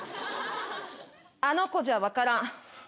あの子じゃわからん。